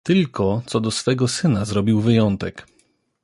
"Tylko co do swego syna zrobił wyjątek."